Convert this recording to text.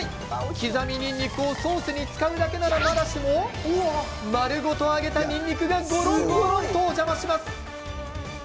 刻みにんにくをソースに使うだけならまだしも丸ごと揚げたにんにくがごろんごろんとお邪魔します。